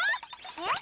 えっ？